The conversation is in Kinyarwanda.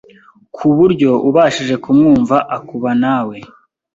kuburyo ubashije kumwumva akuba nawe